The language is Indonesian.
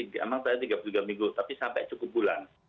memang tadi tiga puluh tiga minggu tapi sampai cukup bulan